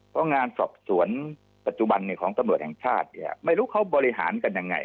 เพราะงานสอบสวนปัจจุบันของตำรวจแห่งชาติเนี่ยไม่รู้เขาบริหารกันยังไง